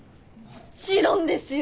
もちろんですよ！